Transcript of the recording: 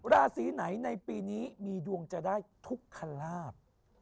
ราศีไหนในปีนี้มีดวงจะได้ทุกขลาบ